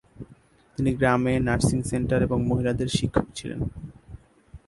তিনি গ্রামে nursing centre এবং মহিলাদের শিক্ষক ছিলেন।